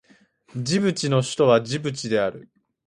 ジブチの首都はジブチである